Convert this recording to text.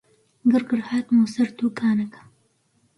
گڕگڕ هاتمەوە سەر دووکانەکەم